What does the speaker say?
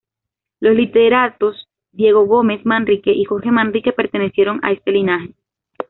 Los literatos Diego Gómez Manrique y Jorge Manrique pertenecieron a este linaje.